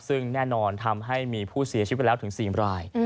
ซึ่งแน่นอนทำให้มีผู้เสียชีวิตไปแล้วถึง๔ราย